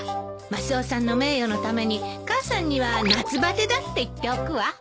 マスオさんの名誉のために母さんには夏バテだって言っておくわ。